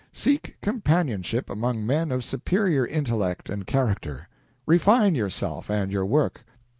Seek companionship among men of superior intellect and character. Refine yourself and your work.